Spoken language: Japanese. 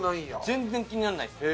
全然気にならないです。